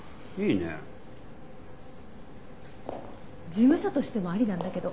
事務所としてもありなんだけど。